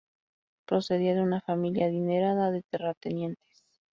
Procedía de una familia adinerada de terratenientes.